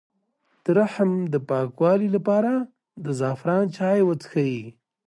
د رحم د پاکوالي لپاره د زعفران چای وڅښئ